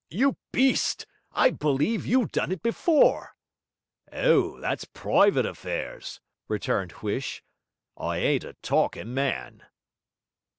'You beast, I believe you've done it before!' 'Oh, that's private affyres,' returned Huish, 'I ain't a talking man.'